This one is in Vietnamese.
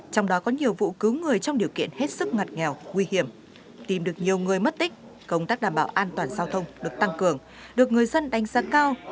trong đó có nhiều vụ cứu người trong điều kiện hết sức ngặt nghèo nguy hiểm tìm được nhiều người mất tích công tác đảm bảo an toàn giao thông được tăng cường được người dân đánh giá cao